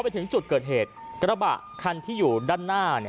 ไปถึงจุดเกิดเหตุกระบะคันที่อยู่ด้านหน้า